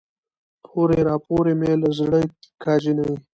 پورې راپورې مې له زړه که جينۍ